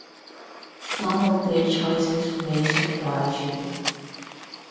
Some of their choices may surprise you.